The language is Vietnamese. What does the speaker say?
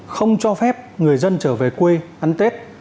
không cho phép người dân trở về quê ăn tết